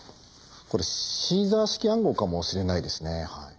これシーザー式暗号かもしれないですねはい。